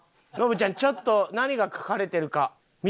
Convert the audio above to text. ノブちゃんちょっと何が書かれてるか。